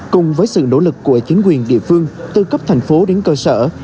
cùng với sự nỗ lực của chính quyền địa phương từ cấp thành phố đến cơ sở